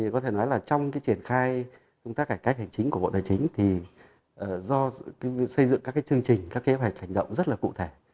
có thể nói là trong triển khai công tác cải cách hành chính của bộ tài chính thì do xây dựng các chương trình các kế hoạch hành động rất là cụ thể